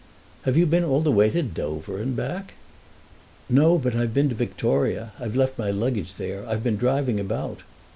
"Have you been all the way to Dover and back?" "No, but I've been to Victoria. I've left my luggage there—I've been driving about."